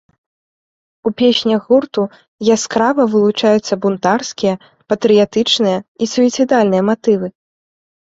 У песнях гурту яскрава вылучаюцца бунтарскія, патрыятычныя і суіцыдальныя матывы.